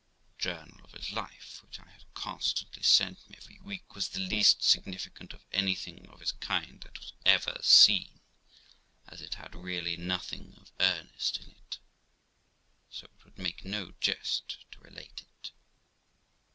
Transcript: The journal of his life, which 1 had constantly sent me every week, was the least significant of anything of its kind that was ever seen, as it had really nothing of earnest in it, so it would make no jest to relate it.